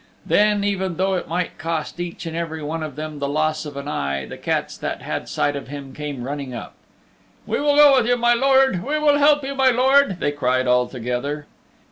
Then, even though it might cost each and every one of them the loss of an eye, the cats that had sight of him came running up. "We will go with you, my lord, we will help you, my lord," they cried all together.